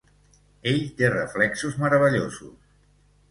Ell té reflexos meravellosos.